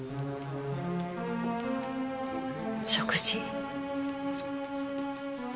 食事。